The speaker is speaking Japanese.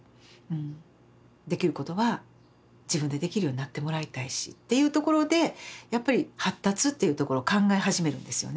できることは自分でできるようになってもらいたいしっていうところでやっぱり発達っていうところを考え始めるんですよね。